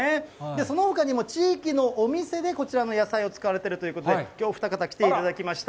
そのほかにも地域のお店でこちらの野菜を使われているということで、きょう、お二方来ていただきました。